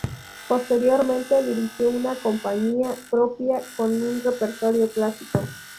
Posteriormente dirigió una compañía propia, con un repertorio clásico.